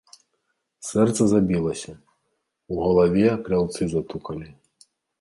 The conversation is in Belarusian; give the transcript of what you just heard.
Сэрца забілася, у галаве кляўцы затукалі.